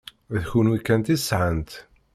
D kenwi kan i sɛant.